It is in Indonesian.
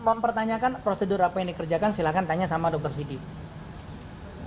mempertanyakan prosedur apa yang dikerjakan silahkan tanya sama dokter sidik